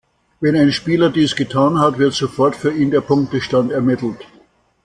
Wenn ein Spieler dies getan hat, wird sofort für ihn der Punktestand ermittelt.